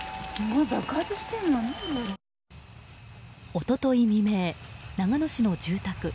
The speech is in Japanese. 一昨日未明、長野市の住宅。